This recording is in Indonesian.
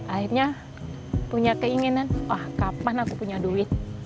akhirnya punya keinginan wah kapan aku punya duit